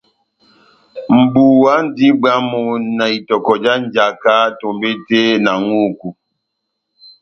Mʼbuwa múndi bwámu na itɔkɔ já njaka tombete na ŋʼhúku,